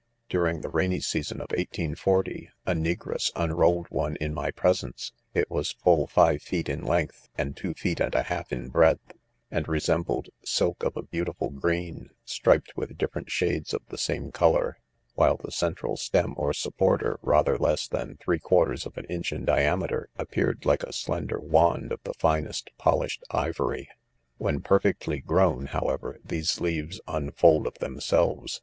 During the rainy season of 1840, a ne gress unrolled one in my presence ; it was full five feet in length, and two feet and a half in breadth, and resem bled silk of a beautiful green, striped with different shades of the same colour; while the central stem or supporter, rather less than three quarters of an inch in diameter, appeared like a slender wand of the finest polished ivory. When perfectly grown, however, these leaves unfold of themselves.